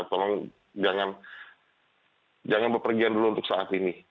tolong jangan berpergian dulu untuk saat ini